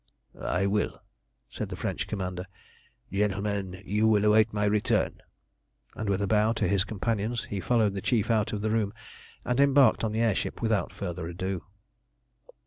"I will," said the French commander. "Gentlemen, you will await my return"; and with a bow to his companions, he followed the Chief out of the room, and embarked on the air ship without further ado.